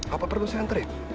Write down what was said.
apa perlu siantri